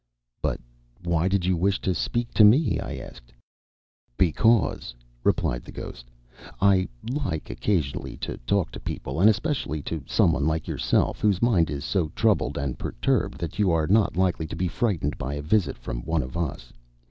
"But why did you wish to speak to me?" I asked. "Because," replied the ghost, "I like occasionally to talk to people, and especially to someone like yourself, whose mind is so troubled and perturbed that you are not likely to be frightened by a visit from one of us.